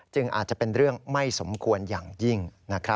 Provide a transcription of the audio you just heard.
จึงอาจจะเป็นเรื่องไม่สมควรอย่างยิ่งนะครับ